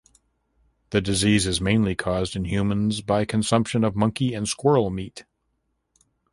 The disease is mainly caused in humans by consumption of monkey and squirrel meat.